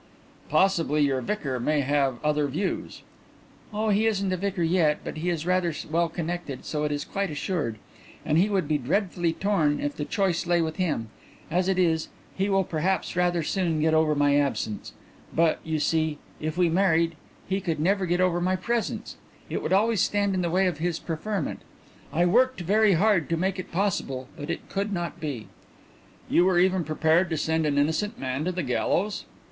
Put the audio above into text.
"Possibly your vicar may have other views." "Oh, he isn't a vicar yet, but he is rather well connected, so it is quite assured. And he would be dreadfully torn if the choice lay with him. As it is, he will perhaps rather soon get over my absence. But, you see, if we married he could never get over my presence; it would always stand in the way of his preferment. I worked very hard to make it possible, but it could not be." "You were even prepared to send an innocent man to the gallows?"